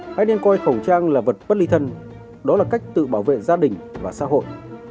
hãy nên coi khẩu trang là vật bất ly thân đó là cách tự bảo vệ gia đình và xã hội